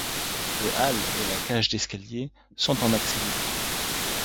Le hall et la cage d'escalier sont en accès libre.